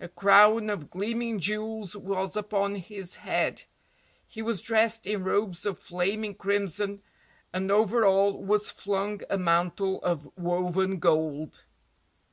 A crown of gleaming jewels was upon his head, he was dressed in robes of flaming crimson and over all was flung a mantle of woven gold.